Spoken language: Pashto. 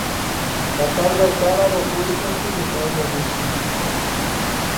متل دی: کاڼی به پوست نه شي، دښمن به دوست نه شي.